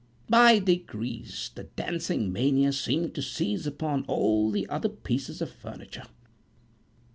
By degrees the dancing mania seemed to seize upon all the other pieces of furniture.